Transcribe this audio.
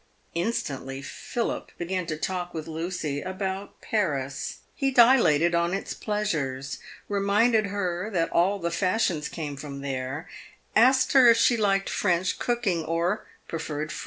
Instantly Philip began to talk with Lucy about Paris. He dilated on its pleasures ; reminded her that all the fashions came from there ; asked her if she liked French cooking, or preferred Ere.